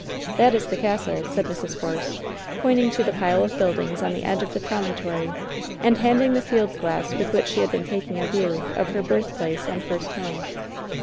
"That is the castle," said Mrs. Force, pointing to the pile of buildings on the edge of the promontory, and handing the field glass with which she had been taking a view of her birthplace and first home.